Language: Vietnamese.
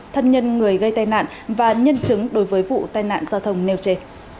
thân nhân người gây tai nạn và nhân chứng đối với vụ tai nạn giao thông nêu trên